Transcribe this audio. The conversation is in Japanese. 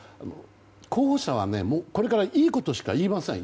候補者はこれからいいことしか言いません。